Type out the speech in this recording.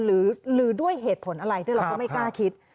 หรือด้วยเหตุผลอะไรด้วยเราก็ไม่กล้าคิด